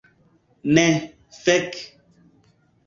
Ne, fek'